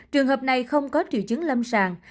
trường hợp này không có triệu chứng lâm sàng